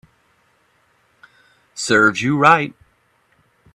Serves you right